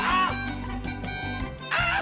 あっ！